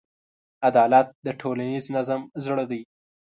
عدالت د ټولنیز نظم زړه دی.